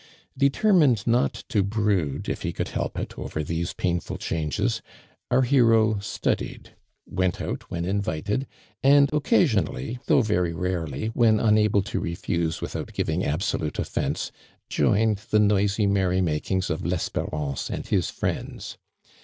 Determined not to brood, if he could help it, over these painful changes, our hero studied — went out when invited, and' occasionally, though very rarely, when unable to refUse without giving absolute orffence, joined the noisy merry makings of LeBperance and his friend.s.